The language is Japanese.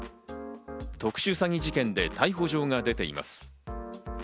特殊詐欺事件で逮捕状が出ています。